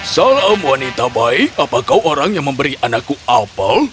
salam wanita baik apa kau orang yang memberi anakku apel